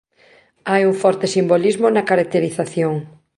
Hai un forte simbolismo na caracterización.